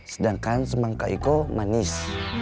sedangkan semangka itu manis